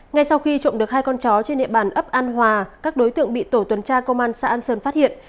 ngay sau khi trộm được hai con chó trên địa bàn ấp an hòa các đối tượng bị tổ tuần tra công an xã an sơn phát hiện